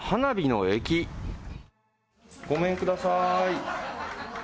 ごめんください。